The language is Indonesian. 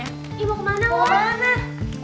ih mau kemana wak